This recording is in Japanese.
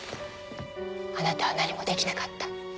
あなたは何もできなかった。